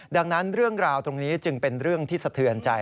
ดังนั้นเรื่องราวตรงนี้จึงเป็นเรื่องที่สะเทือนใจ